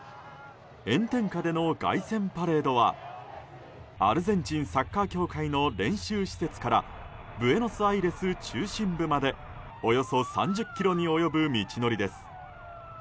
炎天下での凱旋パレードはアルゼンチンサッカー協会の練習施設からブエノスアイレス中心部までおよそ３０ｋｍに及ぶ道のりです。